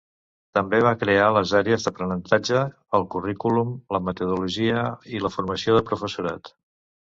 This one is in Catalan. També va crear les àrees d'aprenentatge, el currículum, la metodologia i la formació del professorat.